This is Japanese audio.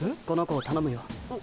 この子をたのむよ。